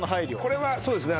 これはそうですね